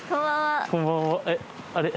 あれ？